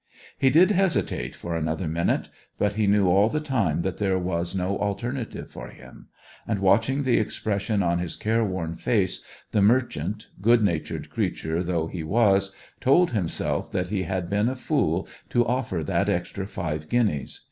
He did hesitate for another minute; but he knew all the time that there was no alternative for him, and, watching the expression on his careworn face, the merchant, good natured creature though he was, told himself that he had been a fool to offer that extra five guineas.